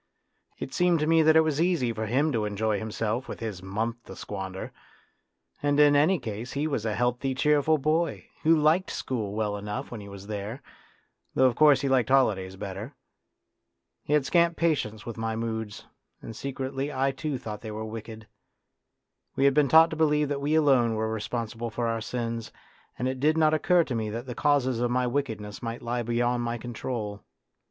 It seemed to me that it was easy for him to enjoy himself with his month to squander ; 42 A DRAMA OF YOUTH and in any case he was a healthy, cheerful boy who liked school well enough when he was there, though of course he liked holidays better. He had scant patience with my moods, and secretly I too thought they were wicked. We had been taught to believe that we alone were responsible for our sins, and it did not occur to me that the causes of my wickedness might lie beyond my control.